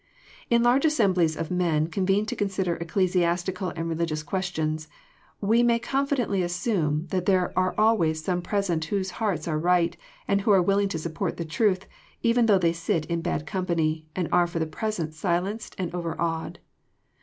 In large assemblies of men convened to consider ecclesiastical and religious questions, we may confidently assume that there are always some present whose hearts are right, and who are willing to support the truth, even though they sit in bad com pany, and are for the present silenced and overawed.